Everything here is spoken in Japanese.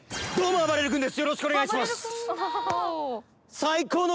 あばれるです。